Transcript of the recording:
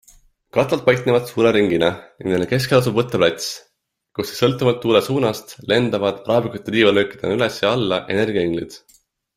Katlad paiknevad suure ringina ning nende keskel asub võtteplats, kus siis sõltuvalt tuule suunast lendavad raevukate tiivalöökidega üles ja alla energiainglid.